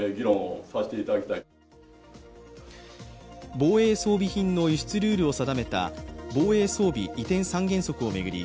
防衛装備品の輸出ルールを定めた防衛装備移転三原則を巡り